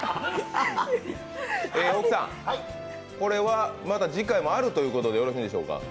大木さん、これはまた次回もあるということでよろしいんでしょうか？